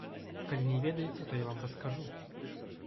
Калі не ведаеце, то я вам раскажу.